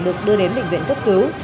được đưa đến bệnh viện cấp cứu